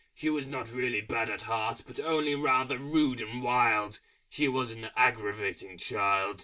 She was not really bad at heart, But only rather rude and wild: She was an aggravating child....